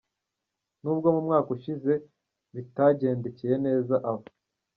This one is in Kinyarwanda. Nubwo mu mwaka ushize bitagendekeye neza aba.